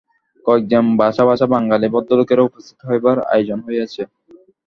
কয়েকজন বাছা বাছা বাঙালি ভদ্রলোকেরও উপস্থিত হইবার আয়োজন হইয়াছে।